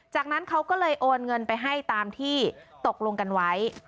จากนั้นเขาก็เลยโอนเงินไปให้ตามที่ตกลงกันไว้